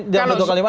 dalam satu kalimat